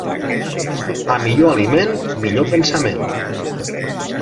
A millor aliment, millor pensament.